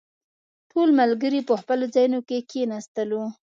ټول ملګري په خپلو ځايونو کې کښېناستلو.